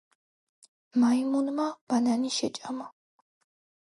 მაიმუნმა ბანანი შეჭამა